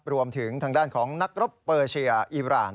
รวมถึงทางด้านของนักรบเปอร์เชียร์อีราน